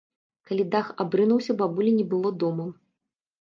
Калі дах абрынуўся, бабулі не было дома.